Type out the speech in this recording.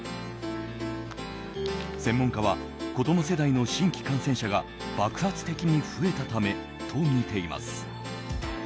専門家は子供世代の新規感染者が爆発的に増えたためとみています。